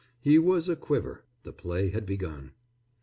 He was a quiver. The play had begun.